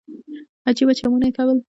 عجيبه چمونه يې کول.